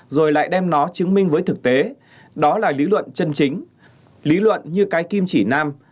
rồi lại đem nó chứng minh với thực tế đó là lý luận chân chính lý luận như cái kim chỉ nam